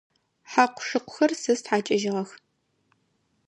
Хьакъу-шыкъухэр сэ стхьакӏыжьыгъэх.